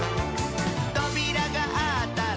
「とびらがあったら」